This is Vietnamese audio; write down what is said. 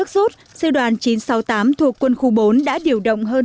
về các vật vật của quân khu bốn